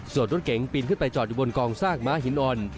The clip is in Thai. ส่วนรถเก๋งปีนขึ้นไปจอดอยู่บนกองซากม้าหินอ่อน